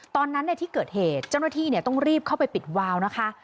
ในที่เกิดเหตุเจ้าหน้าที่ต้องรีบเข้าไปปิดวาวนะคะ